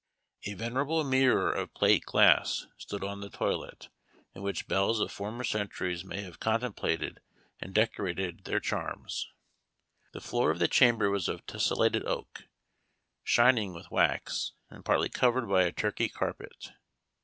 A venerable mirror of plate glass stood on the toilet, in which belles of former centuries may have contemplated and decorated their charms. The floor of the chamber was of tesselated oak, shining with wax, and partly covered by a Turkey carpet.